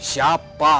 siapa tamang arkam